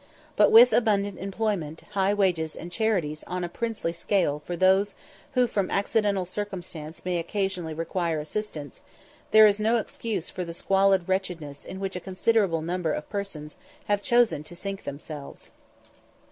But with abundant employment, high wages, and charities on a princely scale for those who from accidental circumstances may occasionally require assistance, there is no excuse for the squalid wretchedness in which a considerable number of persons have chosen to sink themselves.